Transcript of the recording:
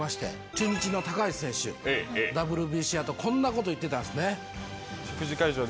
中日の橋選手ＷＢＣ後こんなこと言ってたんですね。